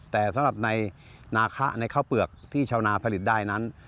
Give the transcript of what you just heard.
แต่สำหรับในนาคะในข้าวเปลือกที่ชาวนาผลิตได้นั้น